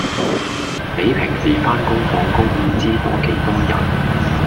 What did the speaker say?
比平時番工放工唔知多幾多人